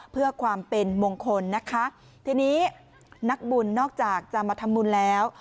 เพื่อความเป็นมงคลนะคะทีนี้นักบุญนอกจากจะมาทำบุญแล้ว